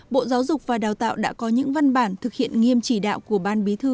bộ giáo dục và đào tạo đã có những văn bản thực hiện nghiêm chỉ đạo của ban bí thư